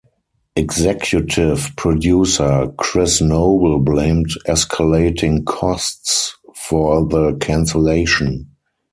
Executive Producer Kris Noble blamed escalating costs for the cancellation.